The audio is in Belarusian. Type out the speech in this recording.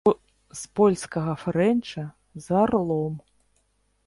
З польскага фрэнча, з арлом.